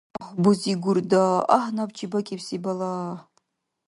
Агь, бузи Гурда, агь набчи бакӀибси балагь!